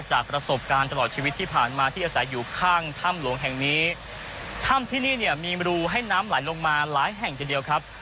จากประสบการณ์ตลอดชีวิตที่ผ่านมาที่อาศัยอยู่ข้างถ้ำหลวงแห่งนี้ถ้ำที่นี่เนี่ยมีรูให้น้ำไหลลงมาหลายแห่งทีเดียวครับ